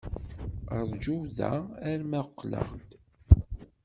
Ṛju da arma qqleɣ-d.